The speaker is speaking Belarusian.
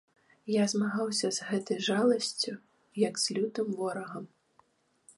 Я змагаўся з гэтай жаласцю, як з лютым ворагам.